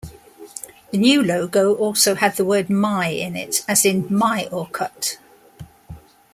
The new logo also had the word "My" in it, as in My Orkut.